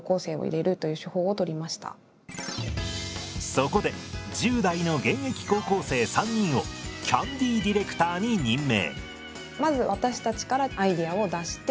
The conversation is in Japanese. そこで１０代の現役高校生３人をキャンディーディレクターに任命。